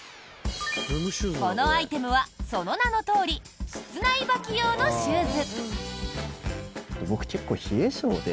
このアイテムは、その名のとおり室内履き用のシューズ。